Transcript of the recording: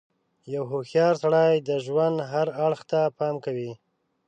• یو هوښیار سړی د ژوند هر اړخ ته پام کوي.